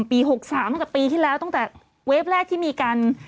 ปี๖๓กับปีที่แล้วตั้งแต่เวฟแรกที่มีการ